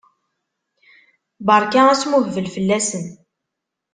Berka asmuhbel fell-asen!